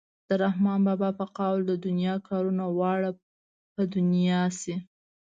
د رحمان بابا په قول د دنیا کارونه واړه په دنیا شي.